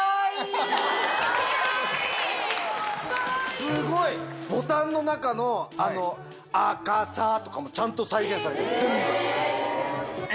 すごい！ボタンの中の「あかさ」とかもちゃんと再現されてる。